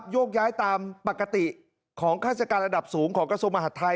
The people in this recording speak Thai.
โยกย้ายตามปกติของฆาติการระดับสูงของกระทรวงมหาดไทย